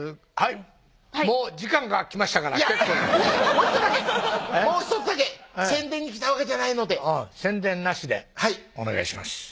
はいもう時間が来ましたから結構ですもう１個だけもう１つだけ宣伝に来たわけじゃないので宣伝なしでお願いします